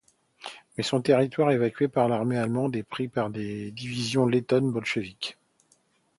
Mais son territoire évacué par l'armée allemande est pris par des divisions lettones bolchéviques.